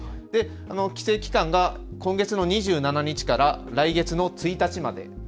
規制期間は今月の２７日から来月の１日まで。